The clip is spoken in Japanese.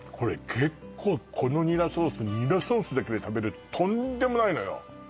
結構このニラソースニラソースだけで食べるととんでもないのよ